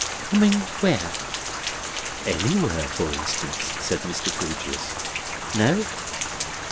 "Coming where?" "Anywhere, for instance?" said Mr. Grewgious. "No."